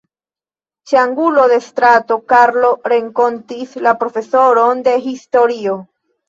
Ĉe angulo de strato Karlo renkontis la profesoron de historio.